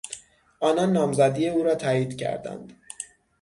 آنان نامزدی او را تایید کردند.